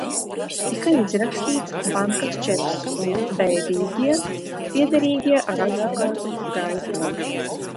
"Tika izrakstīts bankas čeks un "bēdīgie" piederīgie ar advokātu gāja prom."